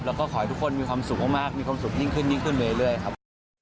แล้วก็ขอให้ทุกคนมีความสุขมากมีความสุขยิ่งขึ้นยิ่งขึ้นไปเรื่อยครับ